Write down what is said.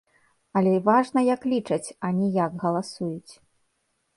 Але важна, як лічаць, а не як галасуюць.